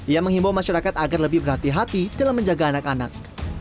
ia menghimbau masyarakat agar lebih berhati hati dalam menjaga anak anak